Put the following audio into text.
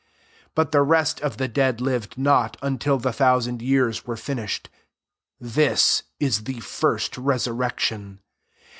5 But the rest of the dead lived not, until the thousand years were finished. This ia the first resurrection.